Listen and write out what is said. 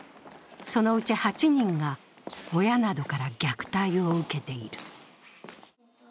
そのうち８人が親などから虐待を受けている。